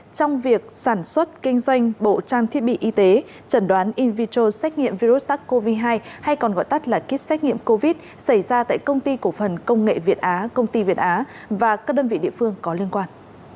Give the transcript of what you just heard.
trong việc sản xuất kinh doanh bộ trang thiết bị y tế trần đoán in viettral xét nghiệm virus sars cov hai hay còn gọi tắt là kit xét nghiệm covid xảy ra tại công ty cổ phần công nghệ việt á công ty việt á và các đơn vị địa phương có liên quan